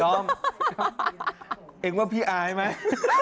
อมเองว่าพี่อายไหม